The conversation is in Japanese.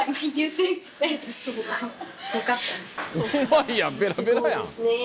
うまいやんベラベラやん。